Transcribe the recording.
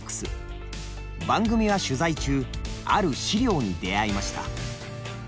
番組は取材中ある資料に出会いました。